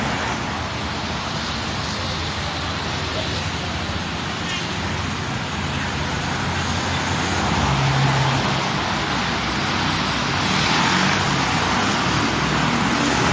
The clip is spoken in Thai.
มาเห็นก็เราเอาหินกว้างเลยเลยหรือหรอ